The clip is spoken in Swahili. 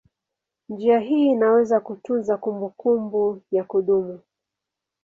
Njia hii inaweza kutunza kumbukumbu ya kudumu.